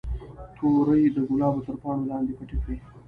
تورې د ګلابو تر پاڼو لاندې پټې کړئ.